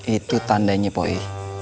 itu tandanya poi